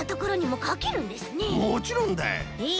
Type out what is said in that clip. もちろんだ！へえ。